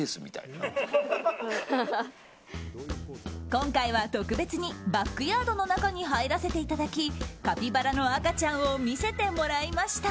今回は特別にバックヤードの中に入らせていただきカピバラの赤ちゃんを見せてもらいました。